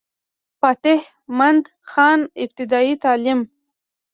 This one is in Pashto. فتح مند خان ابتدائي تعليم